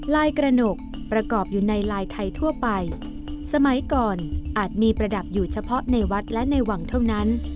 กระหนกประกอบอยู่ในลายไทยทั่วไปสมัยก่อนอาจมีประดับอยู่เฉพาะในวัดและในวังเท่านั้น